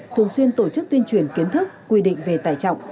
thường xuyên tổ chức tuyên truyền kiến thức quy định về tải trọng